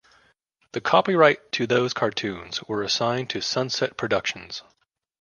The copyright to those cartoons were assigned to Sunset Productions.